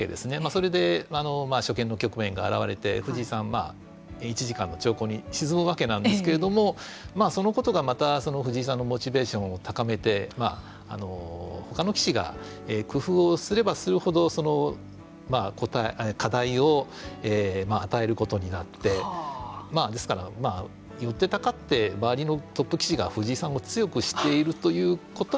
それで初見の局面が現れて藤井さんは１時間の長考に沈むわけなんですけれどもそのことがまた藤井さんのモチベーションを高めてほかの棋士が工夫をすればするほどその課題を与えることになってですから寄ってたかって周りのトップ棋士が藤井さんを強くしているということも言えますかね。